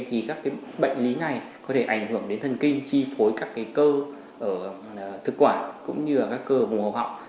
thì các bệnh lý này có thể ảnh hưởng đến thần kinh chi phối các cơ thực quả cũng như là các cơ vùng hầu họng